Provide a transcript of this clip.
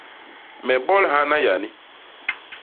Me bol hana yani.